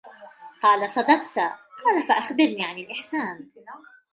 قالَ: صَدَقْتَ. قالَ: فَأَخْبِرْني عَنِ الإحسانِ؟